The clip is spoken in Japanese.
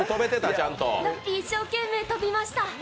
ちゃんとラッピー一生懸命跳びました。